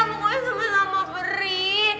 pak gue sama sama beri